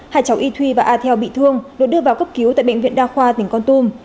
hai cháu y thuy và a theo bị thương được đưa vào cấp cứu tại bệnh viện đa khoa tỉnh con tum